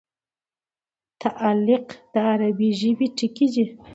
تعلیق د عربي ژبي ټکی دﺉ.